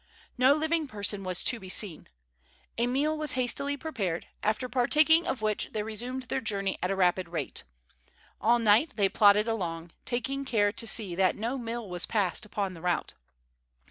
No living person was to be seen. A meal was hastily prepared, after partaking of which they resumed their journey at a rapid rate. All night they plodded along, taking care to see that no mill was passed upon the route.